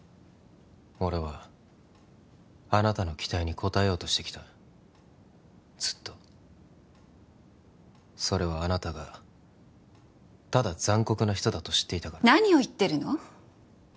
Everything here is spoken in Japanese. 俺はあなたの期待に応えようとしてきたずっとそれはあなたがただ残酷な人だと知っていたから何を言ってるの？